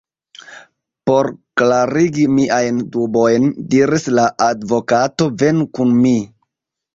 Por klarigi miajn dubojn, diris la advokato, venu kun mi.